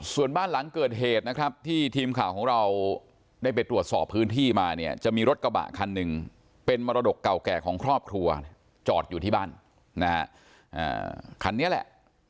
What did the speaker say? ส่วนบ้านหลังเกิดเหตุนะครับที่ทีมข่าวของเราได้ไปตรวจสอบพื้นที่มาเนี่ยจะมีรถกระบะคันหนึ่งเป็นมรดกเก่าแก่ของครอบครัวจอดอยู่ที่บ้านนะฮะคันนี้แหละ